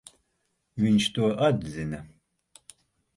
Viņš to atzina.